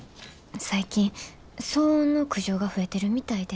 最近騒音の苦情が増えてるみたいで。